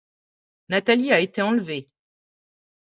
Nathalie a été enlevée.